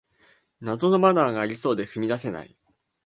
謎のマナーがありそうで踏み出せない